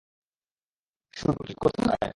শুটু, তুই কোথায়?